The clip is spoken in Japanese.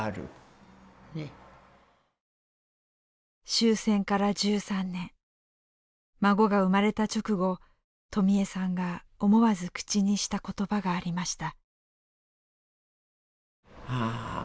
終戦から１３年孫が生まれた直後とみゑさんが思わず口にした言葉がありました。